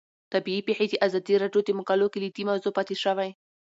طبیعي پېښې د ازادي راډیو د مقالو کلیدي موضوع پاتې شوی.